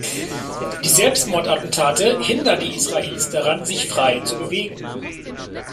Die Selbstmordattentate hindern die Israelis daran, sich frei zu bewegen.